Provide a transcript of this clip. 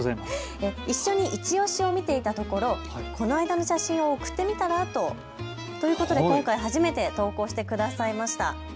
一緒にいちオシを見ていたところこの間の写真を送ってみたらと、ということで今回初めて投稿してくださいました。